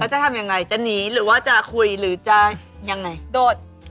จะทำยังไงจะหนีหรือว่าจะคุยหรือจะยังไงโดด